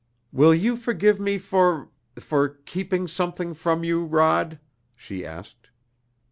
"Will you forgive me for for keeping something from you, Rod?" she asked.